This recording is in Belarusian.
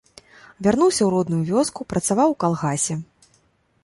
Вярнуўся ў родную вёску, працаваў у калгасе.